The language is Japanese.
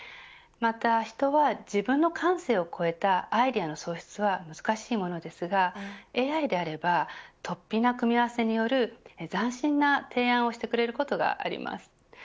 また人は自分の感性を超えたアイデアの創出は難しいものですがＡＩであればとっぴな組み合わせによる斬新な提案をしてくれることがあります。